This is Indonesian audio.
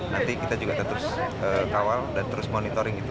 nanti kita juga terus kawal dan terus monitoring itu